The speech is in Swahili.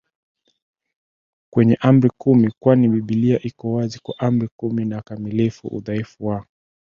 kwenye Amri kumi kwani Biblia iko wazi kuwa Amri kumi ni kamilifu Udhaifu wa